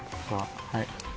はい。